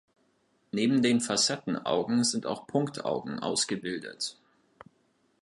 Neben den Facettenaugen sind auch Punktaugen ausgebildet.